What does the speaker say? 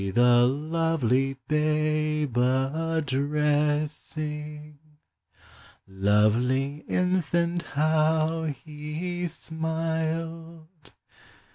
the lovely Babe a dressing; Lovely infant, how he smiled!